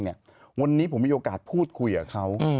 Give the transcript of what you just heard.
วันนี้ผมมีโอกาสพูดคุยกับเขา